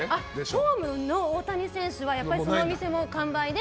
ホームの大谷選手はどの店も完売で。